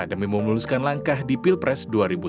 demi memuluskan langkah di pilpres dua ribu sembilan belas